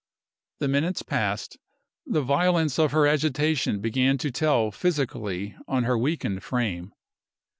The minutes passed. The violence of her agitation began to tell physically on her weakened frame.